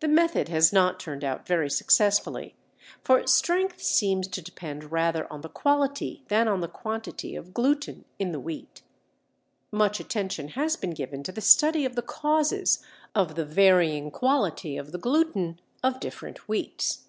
The method has not turned out very successfully, for strength seems to depend rather on the quality than on the quantity of gluten in the wheat. Much attention has been given to the study of the causes of the varying quality of the gluten of different wheats.